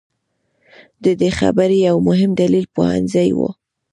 د دې خبرې یو مهم دلیل پوهنځي وو.